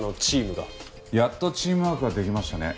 やっとチームワークが出来ましたね